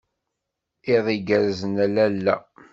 Iḍ igerrzen a lalla.